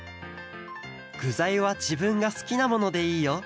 ぐざいはじぶんがすきなものでいいよ。